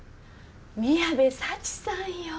宮部佐知さんよ。